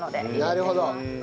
なるほど。